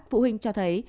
phụ huynh cho thấy